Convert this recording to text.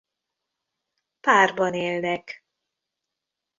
Párban élnek.